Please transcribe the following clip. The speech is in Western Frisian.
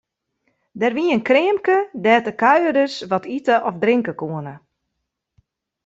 Der wie in kreamke dêr't de kuierders wat ite of drinke koene.